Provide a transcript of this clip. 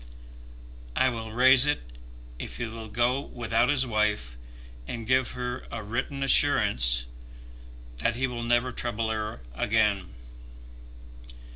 "I will raise it if he will go without his wife, and give her a written assurance that he will never trouble her again."